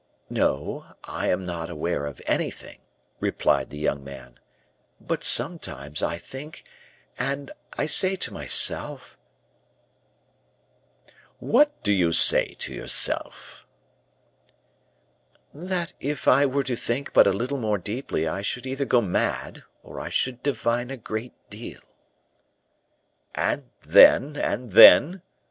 "No, I am not aware of anything," replied the young man; "but sometimes I think and I say to myself " "What do you say to yourself?" "That if I were to think but a little more deeply I should either go mad or I should divine a great deal." "And then and then?"